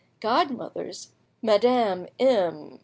Godmothers, Madame M.